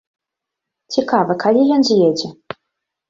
Цікава, калі ён з'едзе?